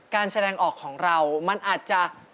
การแสดงออกของเรามันอาจจะ